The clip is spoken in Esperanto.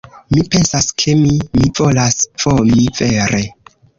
Mi pensas, ke mi... mi volas vomi... vere.